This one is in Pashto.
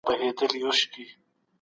خواړه د بدن پیغامونو ته ځواب دي.